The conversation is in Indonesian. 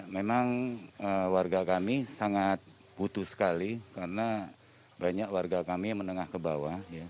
memang warga kami sangat butuh sekali karena banyak warga kami menengah ke bawah